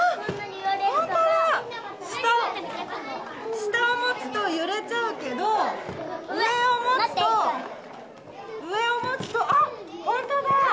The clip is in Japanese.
下を持つと揺れちゃうけど、上を持つと、上を持つと、あっ、本当だ。